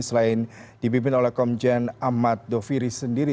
selain dipimpin oleh komjen ahmad doviri sendiri